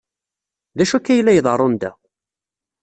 D acu akka ay la iḍerrun da?